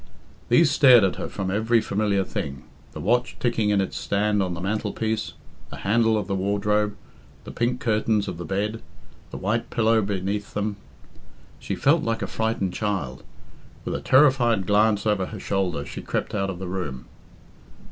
These stared at her from every familiar thing the watch ticking in its stand on the mantelpiece, the handle of the wardrobe, the pink curtains of the bed, the white pillow beneath them. She felt like a frightened child. With a terrified glance over her shoulder she crept out of the room.